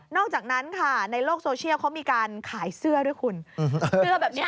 อกจากนั้นค่ะในโลกโซเชียลเขามีการขายเสื้อด้วยคุณเสื้อแบบนี้